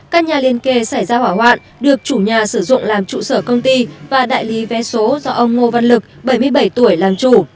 các nhà liên kề xảy ra hỏa hoạn được chủ nhà sử dụng làm trụ sở công ty và đại lý vé số do ông ngô văn lực bảy mươi bảy tuổi làm chủ